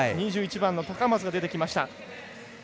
２１番の高松出てきました。